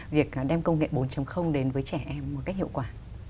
việc đem công nghệ bốn đến với trẻ em một cách hiệu quả